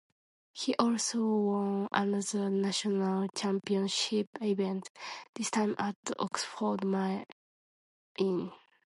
He also won another National Championship event, this time at Oxford Maine.